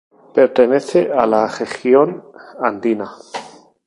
Pertenece a la región andina.